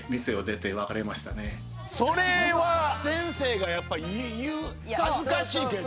それは先生がやっぱ言う恥ずかしいけど。